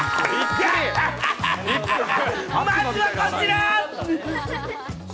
まずはこちら。